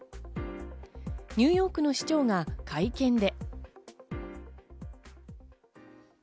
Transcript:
ニューヨークの市長が会見で。